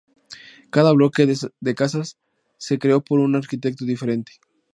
Cada bloque de casas se creó por un arquitecto diferente.